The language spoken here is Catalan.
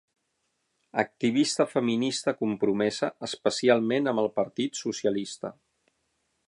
Activista feminista compromesa, especialment amb el Partit Socialista.